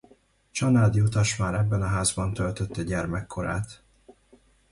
Csanád Jutas már ebben a házban töltötte gyermekkorát.